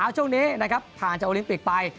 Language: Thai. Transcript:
ช่วงนี้ผ่านจากโอลิมปิกไป